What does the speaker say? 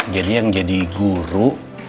jadi yang jadi guru